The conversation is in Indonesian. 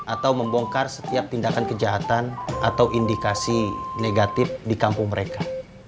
atau membongkar setiap tindakan kejahatan atau indikasi negatif di kampung mereka